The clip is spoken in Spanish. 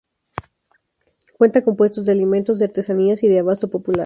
Cuenta con puestos de alimentos, de artesanías y de abasto popular.